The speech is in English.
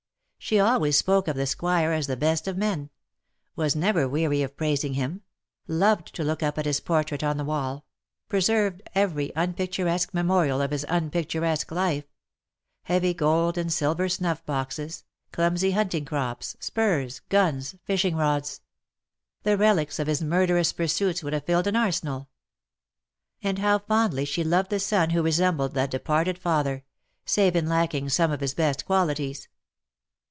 She always spoke of the Squire as the best of men — was never weary of praising him — loved to look up at his portrait on the wall — preserved every unpicturesque memorial of his unpicturesque life — heavy gold and silver snuff boxes, clumsy hunting crops, spurs, guns, fishing rods. The relics of his murderous pursuits would have filled an arsenal. And how fondly she loved the son who resembled that departed father — save in lacking some of his best qualities